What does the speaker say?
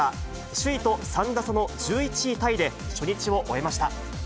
首位と３打差の１１位タイで、初日を終えました。